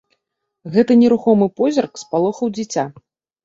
Гэты нерухомы позірк спалохаў дзіця.